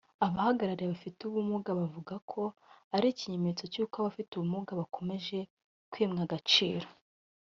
abahagarariye abafite ubumuga bavuga ko ari ikimenyetso cy’uko abafite ubumuga bakomeje kwimwa agaciro